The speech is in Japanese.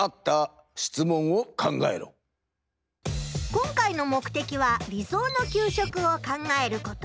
今回の目的は理想の給食を考えること。